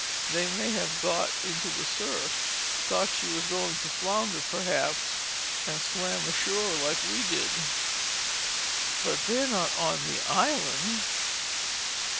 They may have got into the surf, thought she was going to founder, perhaps, and swam ashore like we did." "But they're not on the island?"